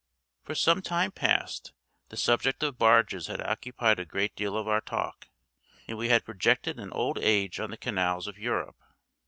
For some time past the subject of barges had occupied a great deal of our talk, and we had projected an old age on the canals of Europe.